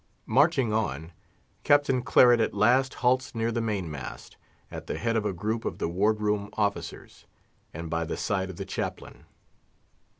Marching on, Captain Claret at last halts near the main mast, at the head of a group of the ward room officers, and by the side of the Chaplain.